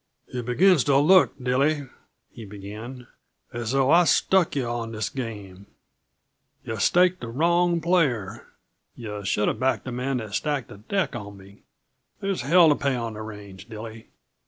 "It begins to look, Dilly," he began, "as though I've stuck yuh on this game. Yuh staked the wrong player; yuh should uh backed the man that stacked the deck on me. There's hell to pay on the range, Dilly.